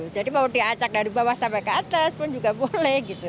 jadi mau diacak dari bawah sampai ke atas pun juga boleh